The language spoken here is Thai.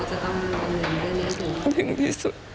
ถึงที่สุด